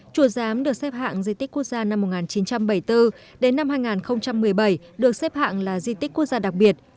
chùa giám được xếp hạng di tích quốc gia năm một nghìn chín trăm bảy mươi bốn đến năm hai nghìn một mươi bảy được xếp hạng là di tích quốc gia đặc biệt